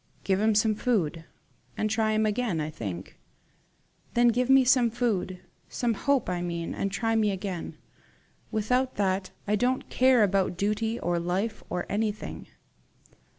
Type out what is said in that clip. "Give him some food, and try him again, I think." "Then give me some food some hope, I mean, and try me again. Without that, I don't care about duty or life or anything."